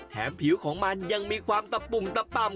แถมภาพิวของมันยังมีความตะปุ่มตะปำ